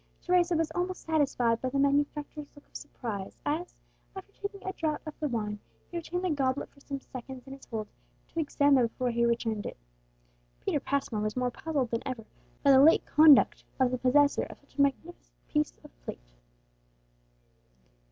Teresa was almost satisfied by the manufacturer's look of surprise, as, after taking a draught of the wine, he retained the goblet for some seconds in his hold, to examine before he returned it. Peter Passmore was more puzzled than ever by the late conduct of the possessor of such a magnificent piece of plate.